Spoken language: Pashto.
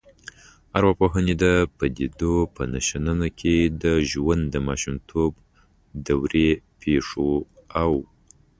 ارواپوهنې د پديدو په شننه کې د ژوند د ماشومتوب دورې پیښو او